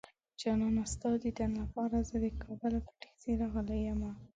جانانه ستا ديدن لپاره زه د کابله په ټکسي راغلی يمه